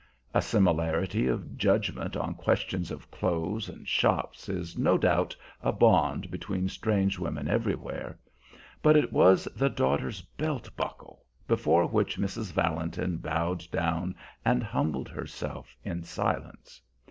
A similarity of judgment on questions of clothes and shops is no doubt a bond between strange women everywhere; but it was the daughter's belt buckle before which Mrs. Valentin bowed down and humbled herself in silence.